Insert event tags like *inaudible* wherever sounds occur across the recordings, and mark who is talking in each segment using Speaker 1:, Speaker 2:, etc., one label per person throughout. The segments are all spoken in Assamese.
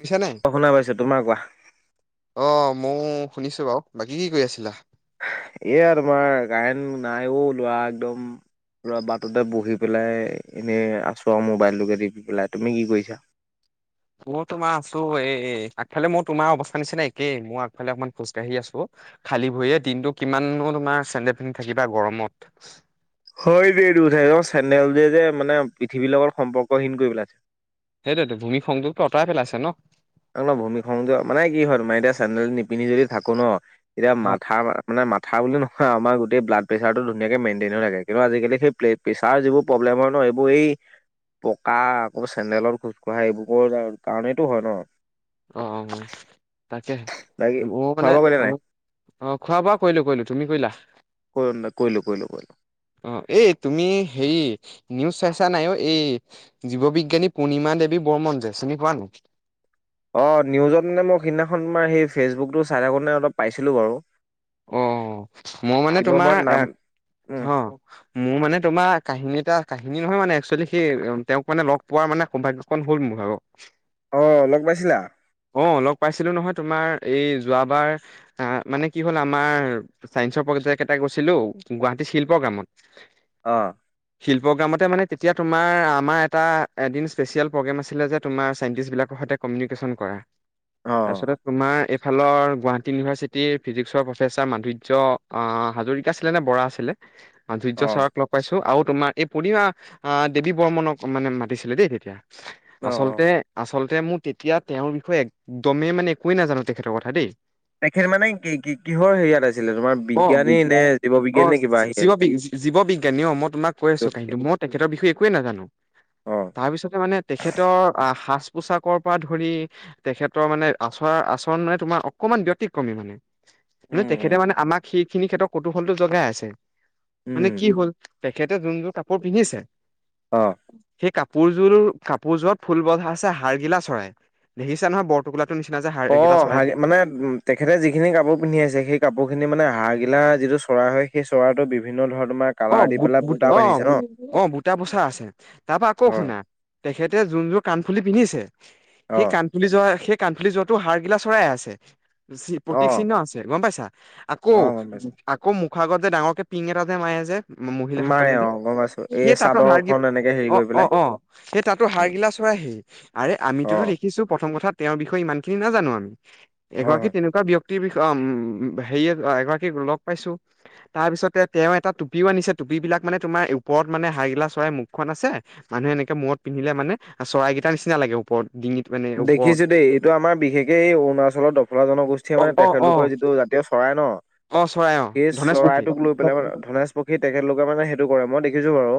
Speaker 1: শুনিছা নে?
Speaker 2: অ শুনা পাইছো তোমাৰ কোৱা।
Speaker 1: অ মও শুনিছো বাৰু, বাকী কি কৰি আছিলা?
Speaker 2: এইয়া তোমাৰ কাৰেণ্ট নাই ঔ লৰা একদম। লৰা বাটতে বহি পেলাই এনেই আছো আৰু মোবাইলটোকে দিিব পেলাই তুমি কি কৰিছা
Speaker 1: *unintelligible* মই তোমাৰ আছো এই আগফালে মোৰ তোমাৰ অৱস্থা নিচিনা একেই মোৰ আগফালে অকমান খোজকাঢ়ি আছো খালী ভৰিয়ে দিনতটো কিমানো তোমাৰ চেন্দে ফে থাকিবা গৰমত
Speaker 2: হয় দে এইঠ চেনেলটোৱে যে মানে পৃথিৱীৰ লগত সম্পৰ্কহীন কৰি পেলাইছে
Speaker 1: সেইটোতটো ভূমি সংযোগটো আঁতৰাই পেলাইছে ন
Speaker 2: আ ন ভূমি সংয মানে কি হয় তোমাৰ এতিয়া চেন্দেল নিপিন্ধি যদি থাকো ন। এতিয়া
Speaker 1: হয়,
Speaker 2: মাথা মানে মাথা বুলি নহয় আমাৰ গোেই ব্লাড প্ৰছাৰত ধুনাকে মেইনটেইন হৈ থাকে কিন্তু আজিকালি স প্ৰেছাৰ যিবোৰ প্ৰব্লেম হয় ন এইবোৰ এই পকা আকৌ চেন্দেলত খোজকঢ়া এইবোৰৰ কাৰণটো হয় ন
Speaker 1: অ। তাকে
Speaker 2: বাকী
Speaker 1: ম
Speaker 2: খোৱা
Speaker 1: মানে
Speaker 2: বোৱা কৰিলা
Speaker 1: আ
Speaker 2: নাই?
Speaker 1: অ খোৱা বোৱা কৰিলো কৰিলো তুমি কৰিলা
Speaker 2: কৈ কৰিলো কৰিলো কৰিলো
Speaker 1: অ এই তুমি হেৰি নিউজ চাইছা নাইও এই জীৱ বিজ্ঞানী পূৰ্ণিমা দেৱী বৰ্মন যে চিনি পোৱা নো
Speaker 2: অ নিউজত মানে মই সেইদিনাখন তোমাৰ সেই ফেচবুকতটো চাই থাকো নে অলপ পাইছিলোঁ বাৰু
Speaker 1: অ মই মানে
Speaker 2: কিন্তু
Speaker 1: তোমাৰ
Speaker 2: মই
Speaker 1: এ
Speaker 2: নাম উম
Speaker 1: অ মোৰ মানে তোমাৰ কাহিনী এটা কাহিনী নহয় মানে একচুৱেলি সেই তেওঁক মানে লগ পোৱাৰ মানে সৌভাগ্য কন হল মোৰ ভাগৰ
Speaker 2: আহ লগ পাইছিলা
Speaker 1: অ লগ পাইছিলো নহয় তোমাৰ এই যোৱাবাৰ মানে কি হ'ল আমাৰ ছাইন্সৰ প্ৰজেক্ কেইটা গৈছিলো গুৱাহাটী শিল্প গ্ৰামত।
Speaker 2: আহ
Speaker 1: শিল প্ৰগ্ৰামতে মানে তেতিয়া তোমাৰ আমাৰ এটা এদিন স্পেচিয়েল প্ৰগ্ৰেম আছিলে যে তোমাৰ ছাইণ্টিষ্টবিলাকৰ সতে কমিউনিকেশ্যন কৰা
Speaker 2: অ
Speaker 1: তাৰপিছতে তোমাৰ এইফালৰ গুৱাহাটী ইউনিভাৰ্চিটিৰ ফিজিক্সৰ প্ৰফেচাৰ মাধুৰ্য হাজৰিকা আছিলে নে বৰা আছিলে
Speaker 2: অ
Speaker 1: ধ্য চাৰক লগ পাইছো আৰু তোমাৰ এই পূৰ্ণমা আহ দেৱী বৰ্মনক মানে মাতিছিলে দেই তেতিয়া
Speaker 2: অ অ
Speaker 1: আচলতে আচলতে মোৰ তেতিয়া তেওঁৰ বিষয়ে একদমেই মানে একোৱেই নাজানো তেখেতৰ কথা দেই।
Speaker 2: সেই মানে কি কি কিহৰ হেৰিয়াত আছিলে তোমাৰ
Speaker 1: অ
Speaker 2: বিজ্ঞানী নে জীৱ বিজ্ঞানী কিবা আহি আছিলে
Speaker 1: জানি অ মই তোাক কৈ আছো কাহিনিটো মই তেখেতৰ বিষয়ে একোৱেই নাজানো
Speaker 2: অ
Speaker 1: তাৰপিছতে মানে তেখেতৰ সাজ পোচাকৰ পৰা ধৰি তেখেতৰ মানে আচৰ আচৰণ মে তোমাৰ অকণমান ব্য্তিক্ৰমী মানে মে
Speaker 2: উম
Speaker 1: তেখেতে
Speaker 2: উম
Speaker 1: মানে আমাক সেইখিনি ক্ষেত্ৰত কৌতুহলতটো জগাই আছে মানে কি
Speaker 2: উম
Speaker 1: হ'ল তেেখেতে যোনযোৰ কাপোৰ পিন্ধিছে
Speaker 2: অ
Speaker 1: সেই কাপোৰযোৰ কাপোৰযোৰত ফুল বধা আছে হাৰগিলা চৰাই দেখিছে নহয় বৰটোকোলাত
Speaker 2: অ মানে তেখেতে যিখিনি কাপোৰ পিন্ধি আছে সেই কাপোৰ খিনি মানে হ গিলা যিটো চৰা হয় সেই চৰাতো বিভিন্ন ধৰণ
Speaker 1: অু অ অ বুটা পোচা আছে তাৰ পৰাা আকৌ
Speaker 2: হয়
Speaker 1: শুনা তেখেতে যোন যোৰ কাম কাণফুলি পিন্ধিছে
Speaker 2: অ
Speaker 1: সেই কাণফুলি যোৱা সেই কাণফুলি যোৱাাতো সাৰগিলা চৰাই আছে
Speaker 2: অ
Speaker 1: প্ৰতীক চিহ্ন আছে গম পাইছা আকৌ
Speaker 2: অ গম পাইছো
Speaker 1: আকৌ মোক আগৰতে ডাঙৰকে পিং এটাতে মাৰে আ যে
Speaker 2: মাৰে
Speaker 1: মহিলাাসকলে
Speaker 2: অ গম পাইছো
Speaker 1: সেে
Speaker 2: এই
Speaker 1: তাতো হাৰগ
Speaker 2: চাদৰখন এনেকে হেৰি
Speaker 1: অ
Speaker 2: কৰি
Speaker 1: অ
Speaker 2: পেলাই
Speaker 1: অ সেই তাতো সাৰ গিলাচ হয় আহি আৰে
Speaker 2: অ
Speaker 1: আমিতোতো দেখিছো প্ৰথম কথাাত তেওঁৰ বিষয়ে ইমান খিনি নাজানো আমি
Speaker 2: হয়
Speaker 1: এগৰাকী
Speaker 2: হয়
Speaker 1: তেনেকুৱা ব্যক্তি য় উম হেৰিয়ে এগৰাকীক লগ পাইছো তাৰ পিছতে তেওঁ এটা টপি আনিছে ুপিব বিাক মানে তোমাৰ ওপৰত মানে হাইগিলা চই মুখখনছে মানুহে এনেক মূৰত পিন্ধিলে মানে চৰাইকেইাৰ নিচিনা লাগে ওপৰত ডিঙিত মানে ওপৰত
Speaker 2: দেখিছো দেই এইটো আমাৰ বিশেষকে এই অৰুণাচলৰ দফলা জনগোষ্ঠীয়ে
Speaker 1: অ
Speaker 2: মানে
Speaker 1: অ অ
Speaker 2: তেখেতলোকৰ যিটো জাতি এ চৰাই ন
Speaker 1: অ চৰাই অ
Speaker 2: সেই
Speaker 1: ধনেশ পক্ষী
Speaker 2: চৰাইটোক লৈ পেলাই আমাৰ ধনেশ প সেই তেখেত লোকে মানে হেতু কৰে ম দেখিছো বাৰু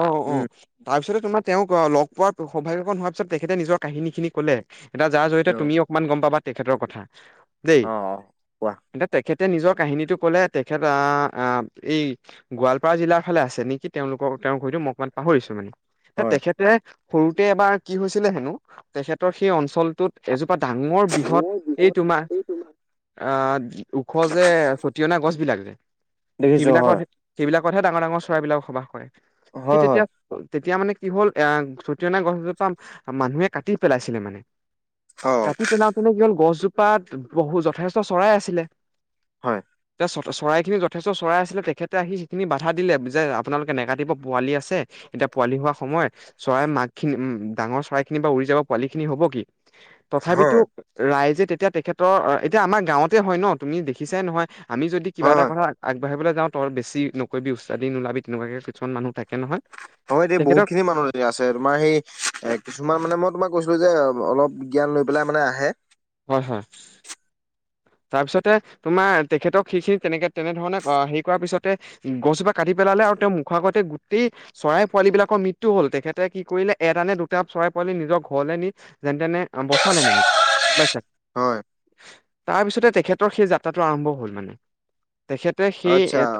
Speaker 1: অ অ
Speaker 2: উম
Speaker 1: তাৰপিছতে তোমাৰ তেওঁক লগ পোৱাৰ সৌভাগ্য কন হোৱাত পিছত তেখেতে নিজৰ কাহিনী খিনি কলে এতিয়া যাৰ জৰিয়তে তুমি
Speaker 2: অ
Speaker 1: অকমান গম পাবা তেখেতৰ ক দেই
Speaker 2: অ কোৱা
Speaker 1: এতিয়া তেখেত তে নিজৰ কাহিনীটো ক'লে তেখেত আহ এই গোৱালপাৰা জিলাৰ ফালে আছে নেকি তেওঁলোক। তেওঁৰ হয়তো মোক অকমান পাহৰিছো মানে
Speaker 2: হয়
Speaker 1: তেখেতে সৰুতে এবাৰ কি হৈছিলে হেনো তেখেতৰ সেই অঞ্চলটোত এজুপা ডাঙৰ বৃহৎ এই তোমাৰ অ ওখ যে ছটিয়না গছ বিলাক যে
Speaker 2: দেখিছো
Speaker 1: সেইবিলাকত
Speaker 2: হয়
Speaker 1: হে সেইবিলাকতহে ডাঙৰ ডাঙৰ চৰাইবিলাক বসবাস কৰে সি
Speaker 2: হয় হয়
Speaker 1: তেতিয়া তেতিয়া মানে কি হ'ল এ ছটিয়না অনা গছ জোপা মানুহে কাটি পেলাইছিলে মানে
Speaker 2: অ হয়
Speaker 1: কাটি পেলওতেনো কি হ'ল গছজোপাত বহু যথেষ্ট চৰাই আছিলে
Speaker 2: হয়
Speaker 1: চ এতিয়া চৰাইখিনি যথেষ্ট চৰাই আছিলে তেখেতে আহি সেইখিনি বাধা দিলে যে আপোনালোকে নে কাট তিব পোৱালি আছে এতিয়া পোৱালি হোৱা সময়ত চৰাই মাক খিনি উম ডাঙৰ চৰাই খিনি বা উৰি যাব পোৱালি খিনি কি হ'ব কি তথাপিটো
Speaker 2: হয়
Speaker 1: ৰাইজে যে তেতিয়া তেখেতৰ এতিয়া আমাৰ গাঁৱতে হয় ন তুমি দেখিছাই নহয় আমি যদি কিবা এটা
Speaker 2: হয়
Speaker 1: কথা আগ সেইফালে যাওঁ তাই বেছ নকৈবি উস্তাদি নোলাবি তেনেকুৱাকে কিছুমান মানুহ থাক
Speaker 2: হয় দেই বহুত খিনি মানুহে আছে তোমাৰ সেই এ কিছুমান মানে মই তোমাক কৈছো যে অলপ জ্ঞান লৈ পেলাই মানে আহে
Speaker 1: হয় হয় তাৰ পিছতে তোমাৰ তেখেতক সেইখিনি তেনেকে তেনেধৰণে হেৰি কৰাৰ পিছতে গছজোপা কাটি পেলালে আৰু তেওঁৰ মুখৰ আগতে গোটেই চৰাই পোৱালি বিলাকৰ মৃত্যু হ'ল তেখেতে কি কৰিলে এটা নে দুটা চৰাই পোৱা পোৱালি নিজৰ ঘৰলে নি যেনে তেনে বচালে মানে গম পাইছা
Speaker 2: হয়
Speaker 1: তাৰ পিছতে তেখেতৰ সেই যাত্ৰাটো আৰম্ভ হল মানে তেখেতে সেই এ
Speaker 2: আচ্ছা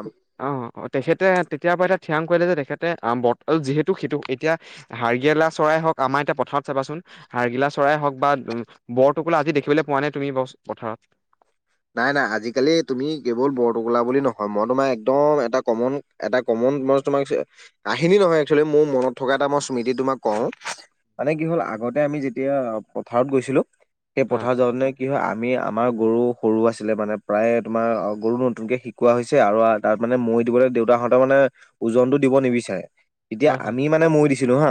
Speaker 1: অ অ তেখেত তে তেতিয়াৰ পৰা এটা থিৰাং কৰিলে যে তেখেতে বত যিহেতু সেইটো এতিয়া হাৰগিলা চৰাই হওক আমাৰ এতিয়া পথাৰত চাবাচোন হাৰ্গিলা চৰাই হওক বা বৰটোকোলা আজি দেখিবলে পোৱা নাই তুমি বাৰু পথাৰত
Speaker 2: নাই নাই আজিকালি তুমি কেৱল বৰটোকোলা বুলি নহয় মই তোমাৰ একদম এটা কমন এটা কমন *unintelligible* কাহিনী নহয় একচোৱেলি মোৰ মনত থকা এটা মই স্মৃতি তোমাক কও মানে কি হল আগতে আমি যেতিয়া পথাৰত গৈছিলোঁ সেই
Speaker 1: হয়
Speaker 2: পথাৰত যাওঁতে কি হয় আমি আমাৰ গৰু সৰু আছিলে মানে প্ৰায়ে তোমাৰ গৰু নতুনকে শিকোৱা হৈছে আৰু তাত মানে মৈ দিবলৈ দেউতাহঁত মানে যে ওজনটো দিব নিবিচাৰে যেতিয়া
Speaker 1: হয় হয়
Speaker 2: আমি মৈ দিছিলো ন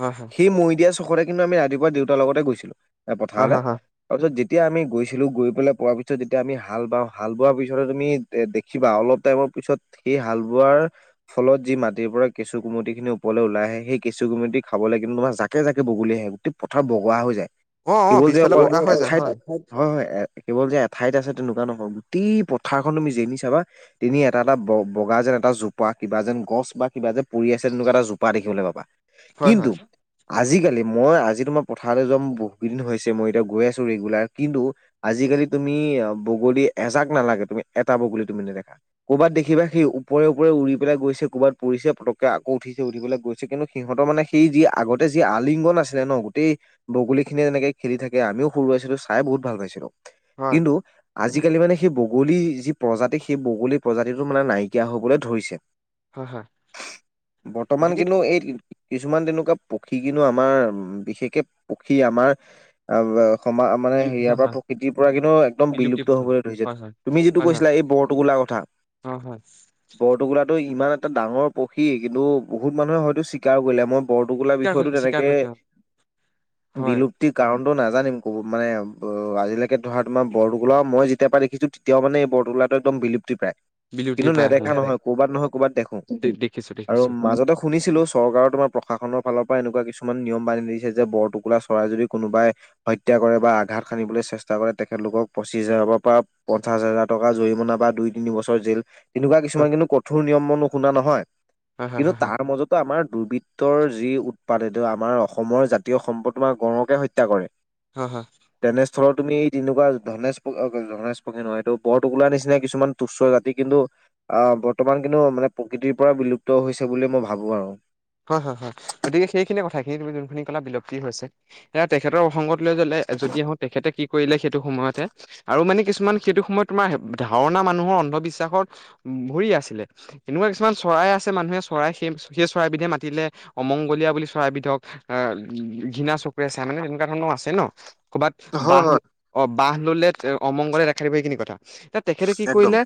Speaker 1: হয় হয়
Speaker 2: সেই মৈ দিয়া ট কিন্তু আমি ৰাতিপুৱা দেউতাৰ লগতে গৈছিলো
Speaker 1: হয়
Speaker 2: পথাৰলে,
Speaker 1: হয় হয়
Speaker 2: তাৰপিছত যেতিয়া আমি গৈছিলো গৈ গ'লে পোৱা পি যেতিয়া আমি হাল বাওঁ হাল বোৱাৰ পিছতেই তুমি এ দেখিবা অলপ টাইমৰ পিছত সেই হাল বোৱাৰ ফলত যি মাটিৰ পৰা কেঁচু কুমটি খিনি ওপৰলৈ ওলাই আহে সেই কেঁচু কুমুটি খাবলে কিন্তু তোমাৰ জাকে জাকে বগলী লে আহে গোটেই পথাৰ বগা হৈ যায়।
Speaker 1: অ অ
Speaker 2: কেৱল যে
Speaker 1: পিছফালে
Speaker 2: অকল
Speaker 1: বগা হৈ যায়
Speaker 2: এঠাইত
Speaker 1: হয়
Speaker 2: হয় হয় এ কেৱল যে তে আছে তেনেকুৱা নহয় গোটেই পথাৰখন তুমি যেনি চাবা তেনি এটা এটা ব বগা যেন এটা জোপা কি কিবা যেন গছ বা কিবা যেন পৰি আছে তেনেকুৱা এটা জোপা দেখিবলৈ পাবা।
Speaker 1: হয়
Speaker 2: কিন্তু আজিকালি মই আজি তোমাৰ পথাৰলৈ যাম বহুত কেইদিন হৈছে মই এতিয়া গৈ আছো ৰেগুলাৰ কিন্তু আজিকালি তুমি অ বগলী এজাক নালাগে তুমি এটা বগলী তুমি নেদেখা। ক'বাত দেখিবা সেই ওপৰে ওপৰে উৰি পেলাই গৈছে ক'বাত পৰিছে পতকে আকৌ উঠি উঠি পেলাই গৈছে কিন্তু সিহঁৰ মানে সেই যি আগতে যি আলিংগন আছিলে ন গোটেই বগলী খিনিয়ে তেনেকে খেলি থাকে আমিও সৰু আছিলো চাই বহুত ভাল পাইছিলো।
Speaker 1: হয়
Speaker 2: কিন্তু আজিকালি মানে সেই বগলী যি প্ৰজাতি সেই বগলী প্ৰজাতিটো মানে নাইকিয়া হবলৈ ধৰিছে।
Speaker 1: হয় হয়
Speaker 2: বৰ্তমান
Speaker 1: গতিকে
Speaker 2: কিন্তু এইট কি কিছুমান তেনেকুৱা পক্ষী কিন্তু আমাৰ বিশেষকে পক্ষী আমাৰ আ বাও সমা মানে হেয়াৰ
Speaker 1: হয় হয়
Speaker 2: পৰা প্ৰকৃতিৰ পৰা কি একদম
Speaker 1: বিলুপ্তি
Speaker 2: বিলুপ্ত
Speaker 1: পথত
Speaker 2: হ'বলৈ ধৰিছে
Speaker 1: হয় হয়
Speaker 2: তুমি যিটো
Speaker 1: হয় হয়
Speaker 2: কৈছিলা এই বৰটোকোলা কথা।
Speaker 1: অ হয়
Speaker 2: বৰটোকোলাটো ইমান এটা ডাঙৰ পক্ষী কিন্তু বহুত মানুহে হয়তো চিকাৰ কৰিলে মই বৰটোকোলা
Speaker 1: স্বীকাৰ
Speaker 2: বিষয়টো
Speaker 1: কৰিছে স্বীকাৰ
Speaker 2: তেনেকে
Speaker 1: কৰিছে হয়
Speaker 2: বিলুপ্তিৰ কাৰণটো নাজানিম ক'ব। মানে অ আজিলৈকে ধৰা তোমাৰ বৰতোকোলা মই যেতিয়াৰ পৰা দেখিছো তেতিয়াও মানে এই বৰটোকোলাটো একদম বিলুপ্তি পায়। কিন্তু
Speaker 1: বিলুপ্তিৰ পায়
Speaker 2: নেদেখা নহয় কৰ'বাত নহয় কৰ'বাত দেখো।
Speaker 1: দেখিছো
Speaker 2: আৰু
Speaker 1: দেখিছো হয়
Speaker 2: মাজতে শুনিছিলো চৰকাৰৰ তোমাৰ প্ৰশাসনৰ ফালৰ পৰা এনেকুৱা কিছুমান নিয়ম বান্ধি দিছে যে বৰটুকোলা চৰাই যদি কোনোবাই হত্যা কৰে বা আঘাত সানিবলৈ চেচ *unintelligible* কৰে তেখেতলোকক পঁচিছ হাজাৰৰ পৰা পঞ্চাশ হাজাৰ টকা জৰিমনা বা দুই তিনি বছৰ জেল। তেনেকুৱা কিছুমান কিন্তু কঠোৰ নিয়ম মই নুশুনা নহয়
Speaker 1: হয় হয়
Speaker 2: কিন্তু
Speaker 1: হয়
Speaker 2: তাৰ মাজতো আমাৰ দুৰ্বৃত্ত *unintelligible* ৰ যি উৎপাত এইটো আমাৰ অসমৰ জাতীয় সম্পদ তোমাক গড়কে হত্যা কৰে।
Speaker 1: হাঁ-হাঁ।
Speaker 2: তেনেস্থলত তুমি এই তেনেকুৱা ধনেশ-ধনেশ পক্ষী নহয় এইটো বৰ টুকোলাৰ নিচিনা কিছুমান তুচ্ছ যাতি কিন্তু আ বৰ্তমান কিন্তু মানে প্ৰকৃতিৰ পৰা বিলুপ্ত হৈছে বুলি মই ভাবো আৰু।
Speaker 1: হয় হয়- হয় গতিকে সেইখিনি কথাখিনি যোনখিনি কলা বিলুপ্তি হৈছে এ তেখেতৰ অসংগত লৈ জলে যদি আহো তেখেতে কি কৰিলে সেইটো সময়তে আৰু মানে কিছুমান সেইটো সময়ত তোমাৰ ধাৰণা মানুহৰ অন্ধবিশ্বাসত ভৰি আছিলে এনেকুৱা কিছুমান চৰাই আছে মানুহে চৰাই সেই-সেই চৰাইবিধে মা পাতিলে অমংগলীয়া বুলি চৰাইবিধক আ ঘৃণা চকুৰে চাই, মানে তেনেকুৱা ধৰণৰ আছে ন। ক'ৰবাত
Speaker 2: হয়
Speaker 1: বাহ
Speaker 2: হয়
Speaker 1: অ' বহ ললে অমংগলে দেখা দিব সেইখিনি কথা। তেখেতে কি
Speaker 2: একদম।
Speaker 1: কৰিলে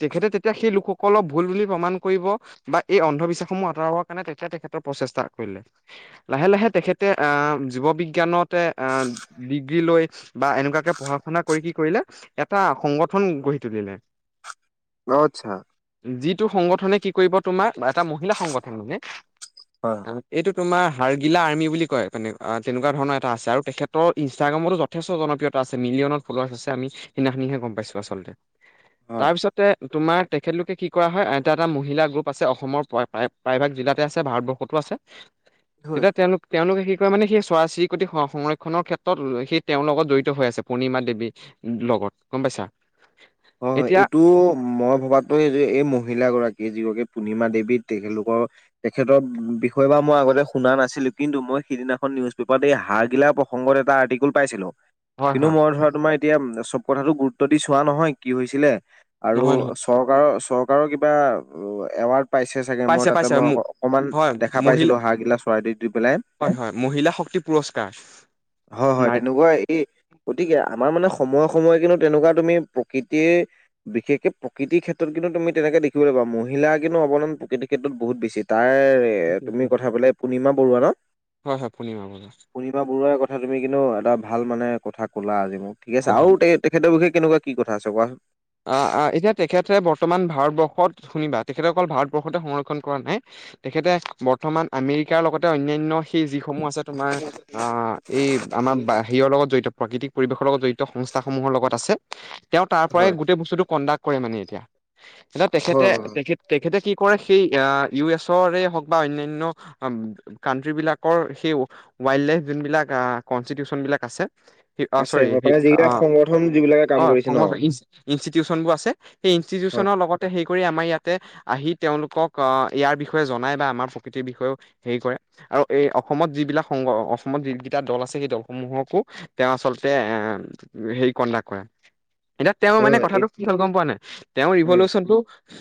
Speaker 1: তেখেতে এতিয়া সেই লোকসকলক ভুল বুলি প্ৰমাণ কৰিব বা এই অন্ধবিশ্বাসসমূহ আঁতৰাব মানে তেতিয়া তেখেতৰ প্ৰচেষ্টা কৰিলে লাহে লাহে তেখেতে অ জীৱ বিজ্ঞানতে অ ডিগ্ৰী লৈ বা এনেকুৱাকে পঢ়া শুনা কৰি কি কৰিলে এটা সংগঠন গঢ়ি তুলিলে। *inaudible*
Speaker 2: অ' আতছা।
Speaker 1: যিটো সংগঠনে কি কৰিব তোমাৰ এটা মহিলা সংগঠন মানে।
Speaker 2: হয়
Speaker 1: এইটো তোমাৰ হাৰ্গিলা আৰ্মি বুলি কয় তেনে তেনেকুৱা ধৰণৰ এটা আছে আৰু তেখেতৰ ইনষ্টাগ্ৰামতো যথেষ্ট জনপ্ৰিয়। আছে মিলিয়নত ফলৱাৰছ আছে আমি সেইদিনাখনিহে গম পাইছো আচলতে
Speaker 2: হয়। হয়।
Speaker 1: তাৰপিছতে তোমাৰ তেখেতলোকে কি কৰা হয় এটা - এটা মহিলা গ্ৰুপ আছে অসমৰ প্ৰায়ভাগ জিলাত। আছে ভাৰতবৰ্ষতো আছে
Speaker 2: হয়
Speaker 1: তেতিয়া তেওঁলোক তেওঁলোকে শ মানে সেই চৰাই চিৰিকতি সংৰক্ষনৰ ক্ষেত্ৰত সেই তেওঁৰ লগত জড়িত হৈ আছে পূৰ্ণিমা দেৱীৰ লগত। *unintelligible* গম পাইছা।
Speaker 2: হয়
Speaker 1: এতিয়া
Speaker 2: এইটো মই ভবাতো এই যে এই মহিলাাগৰাকীয়ে যিগৰাকী পূৰ্ণিমা দেৱী তেখেতলোকৰ তেখেতৰ বিষয়ে বা মই আগতে শুনা নাছিলো কিন্তু মই সিদিনাখন নিউজ পেপাৰত এই হাৰ গিলা প্ৰসংগত এটা আৰ্টিকল পাইছিলো।
Speaker 1: হয়
Speaker 2: কিন্তু
Speaker 1: হয়
Speaker 2: মই ধৰা তোমাৰ এতিয়া চব কথাাতটো গুৰুত্ব দি চোৱা নহয় কি হৈছিলে আৰু
Speaker 1: নহয় নহয়
Speaker 2: চৰকাৰৰ-চৰকাৰৰ কিবা এৱাৰ্ড পাইছে চাগে মই তাতে
Speaker 1: পাইছে
Speaker 2: মই
Speaker 1: মোক
Speaker 2: অকমান
Speaker 1: হয়
Speaker 2: দেখা
Speaker 1: মহিলা
Speaker 2: পাইছিলো হাঁহ গিলা চৰাই দি- দি পেলাই।
Speaker 1: হয়- হয় মহিলা শক্তি পুৰস্কাৰ।
Speaker 2: হয়- হয়
Speaker 1: নাই
Speaker 2: তেনেকুৱা এই গতিকে আমাৰ মানে সময়ে-সময়ে কিন্তু তেনেকুৱা তুমি প্ৰকৃতিৰ বিশেষকে প্ৰকৃতিৰ ক্ষেত্ৰত কিন্তু তুমি তেনেকে দেখিবলৈ পা মহিলা কিন্তু অৱদান প্ৰকৃতিৰ ক্ষেত্ৰত বহুত বেছি তাৰ তুমি কথা ক'লে পূৰ্ণিমা বৰুৱা ন।
Speaker 1: হয় হয় পূৰ্ণিমা বৰুৱা
Speaker 2: পূৰ্ণিমা বৰুৱাৰ কথা তুমি কিন্তু এটা ভাল মানে কথা ক'লা আজি মোক ঠিক আছে
Speaker 1: হয় হয়
Speaker 2: আৰু তে তেখেতৰ বিষয়ে কেনেকুৱা কি কথা আছে কোৱাচোন।
Speaker 1: অ'- অ', এতিয়া তেখেতে বৰ্তমান ভাৰতবৰ্ষত শুনিবা তেখেতে অকল ভাৰতবৰ্ষতে সংৰক্ষণ কৰা নাই। তেখেতে বৰ্তমান আমেৰিকাৰ লগতে অনয়ান্য় সেই যিসমূহ আছে তোমাৰ আ এই আমাৰ হেৰিয়ৰ লগত জড়িত প্ৰাকৃতিক পৰিৱেশৰ লগত জড়িত সংচ *unintelligible* সমূহৰ লগত আছে তেওঁ তাৰ পৰাই
Speaker 2: হয়
Speaker 1: গোটেই বস্তুটো কণ্ডাক্ট কৰে মানে এতিয়া। এ
Speaker 2: হয়
Speaker 1: তেখেতে
Speaker 2: হয় হয়।
Speaker 1: তেখেত তেখেতে কি। কৰে সেই আ, ইউ এছৰে হওঁক বা অন্যান্য কান্ট্ৰি বিলাকৰ সেই ৱাইল্ড লাইফ যোনবিলাক কনষ্টিটিউচনবিলাক আছে। অ
Speaker 2: আছে
Speaker 1: চৰি
Speaker 2: হয় মানে
Speaker 1: অ,
Speaker 2: যিবিলাক
Speaker 1: অ,।
Speaker 2: সংগঠন যিবিলাকে কাম কৰিছে ন
Speaker 1: অসমত আহিছে। ইনষ্টিটিউশনবোৰ আছে। সেই
Speaker 2: হয়
Speaker 1: ইনষ্টিটিউশ্যনৰ লগতে হে কৰি আমাৰ ইয়াত। আহি তেওঁলোকক আহ ইয়াৰ বিষয়ে জনাই বা আমাৰ প্ৰকৃতিৰ বিষয়েও হেৰি কৰে আৰু এই। অসমত যিবিলাক সংগ অসমত যিকিটা দল আছে, সেই দলসমূহকো তেওঁ আচলতে এ। হে কনডাওক কৰা। এতিয়া তেওঁ
Speaker 2: হয়
Speaker 1: মানে
Speaker 2: হয়, এই
Speaker 1: কথাটো কি হ'ল গ'ম পোৱানে, তেওঁ
Speaker 2: উম
Speaker 1: ইঈলেচন টো।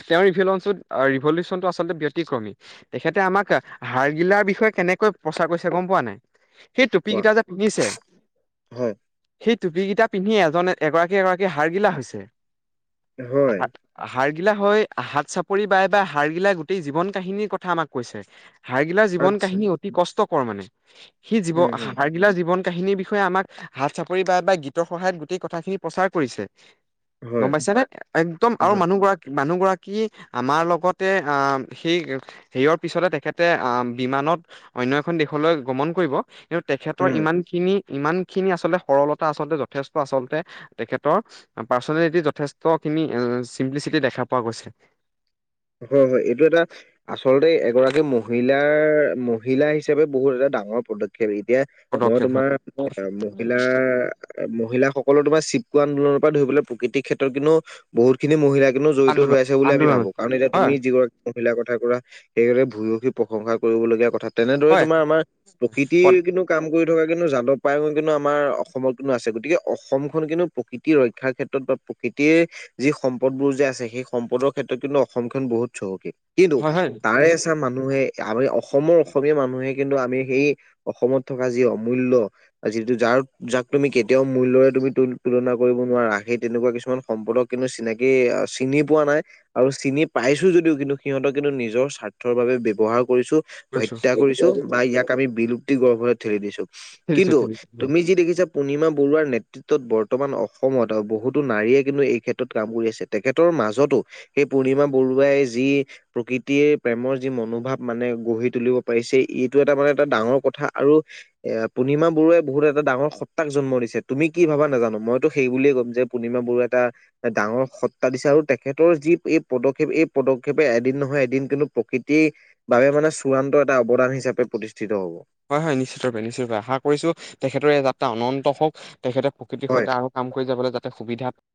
Speaker 1: তেওঁ ৰিভলউচো আ, ৰিভলিউচনটো আচলতে ব্যতিক্ৰমী, তেখেতে আমাক হাৰ্গিলাৰ বিষয়ে কেনেকৈ প্ৰচাৰ কৰিছে গম পোৱা নাই? সেই টুপী
Speaker 2: কোৱা
Speaker 1: কিটা যে, পিন্ধিছে,
Speaker 2: হয়
Speaker 1: সেই টুপী কিটা পিন্ধি এজনে এগৰাকী, এগৰাকী হাৰগিলা হৈছে,
Speaker 2: হয়
Speaker 1: হাৰ *inaudible* হাৰগিলা হয় হাত চাপৰি বাই বা হাৰগিলা গোটেই জীৱন কাহিনীৰ কথা আমাক কৈছে। হাৰগিলাৰ জীৱন
Speaker 2: আচ্ছা
Speaker 1: কাহিনী অতি কষ্টকৰ মানে, সি
Speaker 2: উম হম
Speaker 1: জীৱ-হাৰগিলাৰ জীৱন কাহিনীৰ বিষয়ে আমাক হাত চাপৰি বা বা গীতৰ সহায়ত গোটেই কথাখিনি প্ৰচাৰ কৰিছে।
Speaker 2: হয়
Speaker 1: গম পাইছানে? একদম আৰু
Speaker 2: হয়
Speaker 1: মানুহ গৰাকী, মানুহ গৰা কি আমাৰ লগতে অ', সেই সেয়ৰ পিছতে তেখেতে আ, বিমানত অনয় এখন দেশলৈ গ্ৰমন কৰিব। কিন্তু তেখেতৰ
Speaker 2: উম
Speaker 1: ইমানখিনি, ইমান খিনি আচলতে সৰলতা আচলতে যথেষ্ট আচলতে তেখেতৰ। পাৰ্চনেলিটি যথেষ্টখিনি চিম্প্লিচিটি দেখা পোৱা গৈছে।
Speaker 2: হয়, হয়। এইটো এটা আচলতে এগৰাকী মহিলাৰ মহিলা হিচাপে বহুত এটা ডাঙৰ পদক্ষেপ এই। এতিয়া মই
Speaker 1: পদক্ষেপ হয়
Speaker 2: তোমাৰ মহিলা মহিলাসকলৰ তোমাৰ চিপকু আন্দোলনৰ ধৰি পেল প্ৰকৃতিক ক্ষেত্ৰত কিন্তও বহুত খিনি মহিলা কিনও জড়িত হৈ
Speaker 1: আন্দোলন
Speaker 2: আছে বুলি আমি ভাবো।
Speaker 1: আন্দোলনত
Speaker 2: কাৰণ এতিয়া তুমি
Speaker 1: হয়
Speaker 2: যিগৰাকী মহিলাৰ কথা কোৱা। সেই ভূয়সী প্ৰশংসা কৰিব লগগীয়া কথা। তেনেদৰে,
Speaker 1: হয়
Speaker 2: তোমাৰ আমাৰ প্ৰকৃতিৰ কিন্তু কাম কৰি থকা কিন্তু যাদৱ পায়ঙ কিন্তু আমাৰ অসমত কিন্তু আছে। গতিকে অসমখন কিন্তু প্ৰকৃতি ৰক্ষাৰ ক্ষেত্ৰত প্ৰকৃতিৰ যি সম্পদবোৰ যে আছে সেই সম্পদৰ ক্ষেত্ৰত কিন্তু। অসমখনন বহুত চহকী কিন্তু
Speaker 1: হয় হয়
Speaker 2: তাৰে এচাম মানুহে। আমি অসমৰ অসমীয়া মানুহে কিন্তু আমি সেই অসমত থকা যি অমূল্য যিটো যাৰ। আৰু যাক তুমি কেতিয়াও মূল্যৰে তুমি তুলনা কৰিব নোৱাৰা। আগে সেই তেনেকুৱা কিছুমান সম্পদক কিন্তু চিনাকি। চিনি পোৱা নাই আৰু চিনি পাইছো। যদিও কিন্তু সিহঁতক কিন্তু নিজৰ স্বাৰ্থৰ বাবে ব্যৱহাৰ। কৰিছোঁ,
Speaker 1: কৰিছো
Speaker 2: হত্যা কৰিছোঁ বা ইয়াক আমি বিলুপ্তি গৰ্ভত ঠেলি দিছোঁ।
Speaker 1: ঠেলিছো
Speaker 2: কিন্তু
Speaker 1: ঠেলিছো
Speaker 2: তুমি যি দেখিছা। পূৰ্ণিমা বৰুৱাৰ নেতৃত্বত বৰ্তমান অসমত বহুতো নাৰীয়ে কিন্তু এই ক্ষেত্ৰত কাম কৰি আছে তেখেতৰ। মাজতো। সেই পূৰ্ণিমা বৰুৱাই যি প্ৰকৃতিৰে প্ৰেমৰ যি মনোভাৱ মানে গঢ়ি তুলিব পাৰিছে। এইটো এটা মানে এটা ডাঙৰ কথা আৰু এ পূৰ্ণিমা বৰুৱাই বহুত এটা ডাঙৰ সত্তাক জন্ম দিছে, তুমি কি ভাবা নাজানোঁ। মইতো সেই বুলিয়ে ক'ম যে পূৰ্ণিমা বৰুৱাই এটা ডাঙৰ সত্তা দিছে আৰু তেখেতৰ যি এই পদক্ষেপ এই পদক্ষেপে এদিন নহয় এদিন কিন্তু প্ৰকৃতিৰ বাবোবে মানে চূড়ান্ত এটা অৱদান হৈছে। *unintelligible*
Speaker 1: হয়, হয় নিশ্চিত ৰূপে নিশ্চিত ৰূপে আশা কৰিছো তেখেতৰে যাত্ৰা অনন্ত হওঁক। তেখেতে, প্ৰকৃতিৰ
Speaker 2: হয়
Speaker 1: সৈতে আৰু কাম কৰি যাবলৈ যাতে সুবিধা